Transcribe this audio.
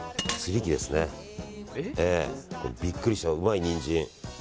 ビックリした、うまいニンジン。